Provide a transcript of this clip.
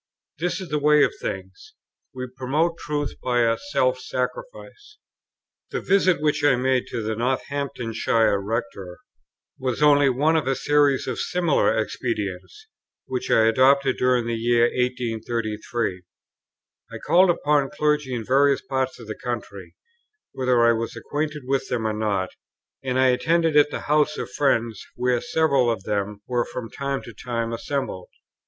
This is the way of things; we promote truth by a self sacrifice." The visit which I made to the Northamptonshire Rector was only one of a series of similar expedients, which I adopted during the year 1833. I called upon clergy in various parts of the country, whether I was acquainted with them or not, and I attended at the houses of friends where several of them were from time to time assembled.